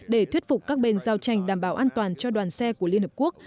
để thuyết phục các bên giao tranh đảm bảo an toàn cho đoàn xe của liên hợp quốc